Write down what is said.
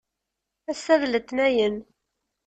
Assa d letnayen.